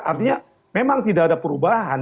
artinya memang tidak ada perubahan